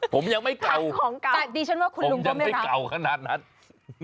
ผมยังไม่เก่าผมยังไม่เก่าขนาดนั้น